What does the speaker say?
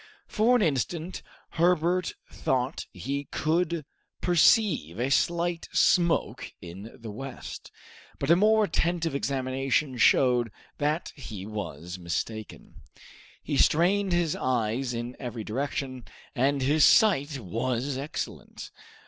For an instant Herbert thought he could perceive a slight smoke in the west, but a more attentive examination showed that he was mistaken. He strained his eyes in every direction, and his sight was excellent.